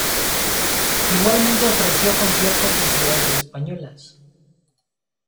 Igualmente ofreció conciertos en ciudades españolas.